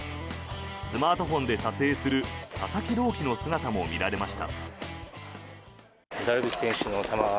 スマートフォンで撮影する佐々木朗希の姿も見られました。